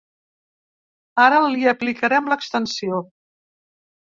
Ara li aplicarem l'extensió.